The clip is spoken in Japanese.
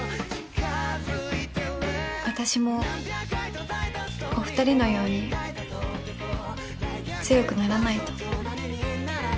私もお二人のように強くならないと。